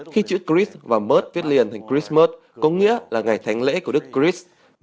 khi chữ cris và mert viết liền thành cris mert có nghĩa là ngày thánh lễ của đức cris